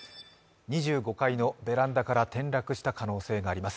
２５階のベランダから転落した可能性があります。